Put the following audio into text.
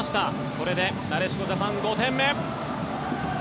これでなでしこジャパン５点目。